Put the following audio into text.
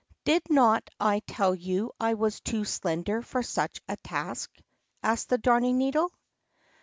"Did not I tell you I was too slender for such a task?" asked the Darning needle.